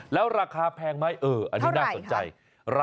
แล้วราคาแพงไหมอันนี้น่าสนใจเท่าไหร่ครับ